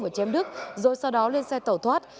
và chém đức rồi sau đó lên xe tẩu thoát